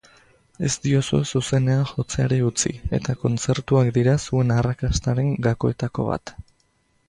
Ez diozue zuzenean jotzeari utzi, eta kontzertuak dira zuen arrakastaren gakoetako bat.